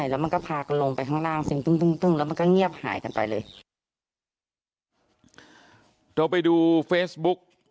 แล้วมันก็พากลงไปข้างล่างทริกปึ๊งปึ๊งปึ๊งแล้วมันก็เงียบหายกันไปเลย